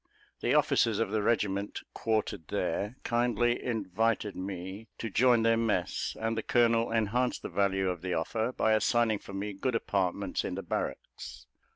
The officers of the regiment quartered there, kindly invited me to join their mess; and the colonel enhanced the value of the offer by assigning for me good apartments in the barracks.